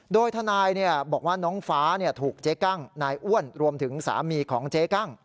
โดยทนายบอกว่าน้องฟ้าถูกเจ๊กั้งนายอ้วนรวมถึงสามีของเจ๊กั้ง